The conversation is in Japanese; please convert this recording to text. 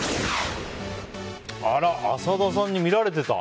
あら、浅田さんに見られてた。